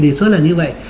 thì suốt là như vậy